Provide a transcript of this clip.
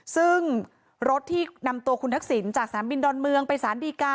ซึ่งรถที่นำตัวคุณทักษิณจากสนามบินดอนเมืองไปสารดีกา